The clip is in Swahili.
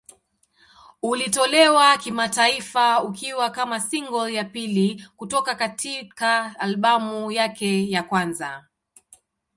Ulitolewa kimataifa ukiwa kama single ya pili kutoka katika albamu yake ya kwanza.